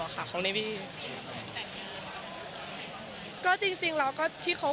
เกียรติไว้ด้วย